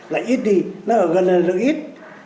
là ít đi nó ở gần là lượng ít